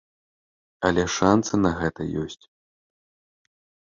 Але шанцы на гэта ёсць.